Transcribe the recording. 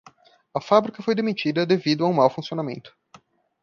A fábrica foi demitida devido a um mau funcionamento.